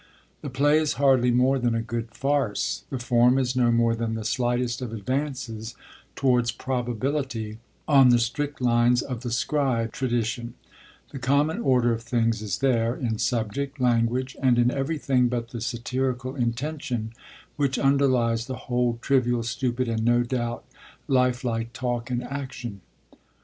'The play is hardly more than a good farce; the form is no more than the slightest of advances towards probability on the strict lines of the Scribe tradition; the 'common order of things' is there, in subject, language, and in everything but the satirical intention which underlies the whole trivial, stupid, and no doubt lifelike talk and action.